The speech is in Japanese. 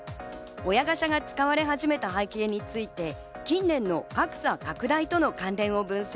親ガチャが使われ始めた背景について近年の格差拡大との関連を分析。